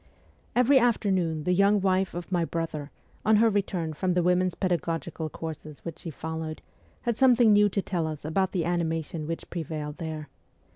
Every afternoon the young wife of my brother, on her return from the women's pedagogical courses which she followed, had something new to tell us about the animation which prevailed there.